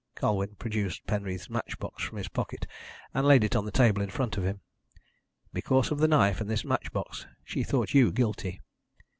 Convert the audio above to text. Colwyn produced Penreath's match box from his pocket and laid it on the table in front of him. "Because of the knife and this match box she thought you guilty."